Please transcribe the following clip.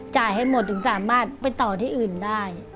จ่ายให้หมดถึงสามารถไปต่อที่อื่นได้